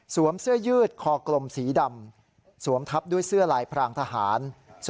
เสื้อยืดคอกลมสีดำสวมทับด้วยเสื้อลายพรางทหาร